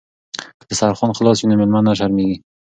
که دسترخوان خلاص وي نو میلمه نه شرمیږي.